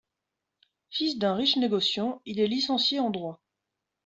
Fils d'un riche négociant, il est licencié en droit.